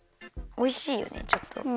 おいしいよねちょっと。